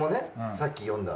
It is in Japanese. さっき読んだ。